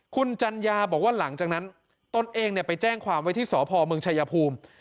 คุณจัญญาบอกว่าหลังจากนั้นตนเองไปแจ้งความไว้ที่สพเมืองชายภูมิ